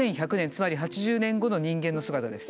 つまり８０年後の人間の姿です。